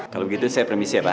kalau begitu saya permisi ya pak